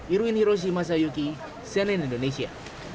irwin hiroshi masayuki cnn indonesia